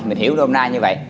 mình hiểu hôm nay như vậy